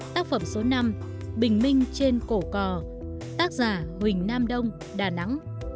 tác phẩm số năm bình minh trên cổ cò tác giả huỳnh nam đông đà nẵng